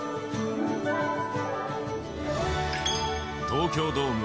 東京ドーム